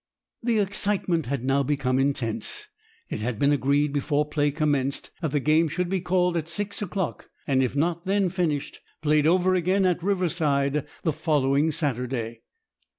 The excitement had now become intense. It had been agreed before play commenced that the game should be called at six o'clock, and if not then finished, played over again at Riverside the following Saturday.